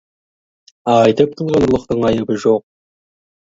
Айтып қылған ұрлықтың айыбы жоқ.